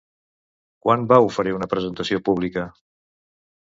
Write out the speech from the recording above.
Quan va oferir una presentació pública?